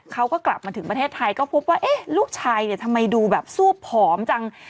เขาก็กลับมาถึงประเทศไทยก็พบว่าเอ๊ะลูกชายเนี่ยทำไมดูแบบสู้ผอมจัง